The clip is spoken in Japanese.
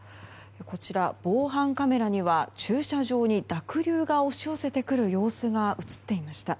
こちら、防犯カメラには駐車場に濁流が押し寄せてくる様子が映っていました。